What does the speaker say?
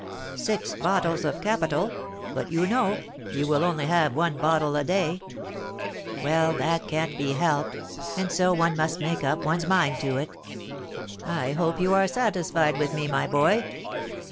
"Six bottles of capital. But, you know, you will only have one bottle a day." "Well, that can't be helped, and so one must make up one's mind to it." "I hope you are satisfied with me, my boy?"